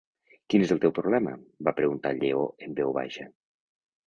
Quin és el teu problema? va preguntar el Lleó en veu baixa.